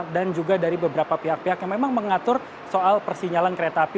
dan juga dari beberapa pihak pihak yang memang mengatur soal persinyalan kereta api